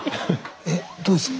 えっどうですか？